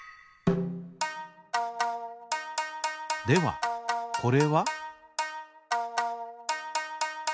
ではこれは？